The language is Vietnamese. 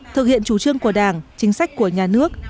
thực hiện chủ trương của đảng chính sách của nhà nước